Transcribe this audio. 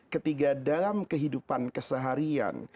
ketika dalam kehidupan keseharian